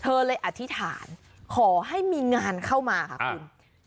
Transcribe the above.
เธอเลยอธิษฐานขอให้มีงานเข้ามาค่ะคุณ